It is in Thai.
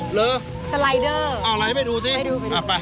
หลังจากผ่านพ้นเรื่องต่างมานะครับ